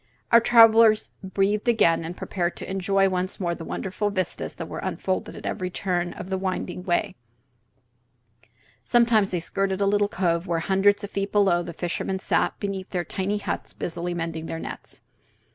Our travellers breathed again, and prepared to enjoy once more the wonderful vistas that were unfolded at every turn of the winding way. Sometimes they skirted a little cove where, hundreds of feet below, the fishermen sat before their tiny huts busily mending their nets.